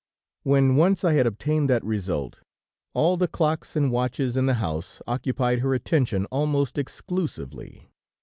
"When once I had obtained that result, all the clocks and watches in the house occupied her attention almost exclusively.